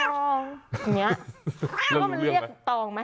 อย่างเนี้ยแล้วก็มันเรียกตองมั้ย